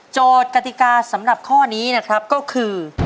กติกาสำหรับข้อนี้นะครับก็คือ